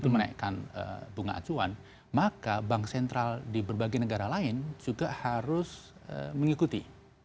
menaikkan bunga acuan maka bank sentral di berbagai negara lain juga harus mengikuti